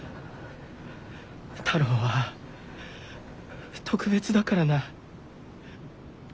太郎は特別だからな。